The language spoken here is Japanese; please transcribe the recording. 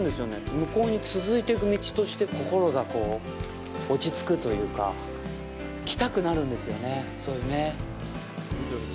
向こうに続いていく道として心が落ち着くというか、来たくなるんですよね、そういうね。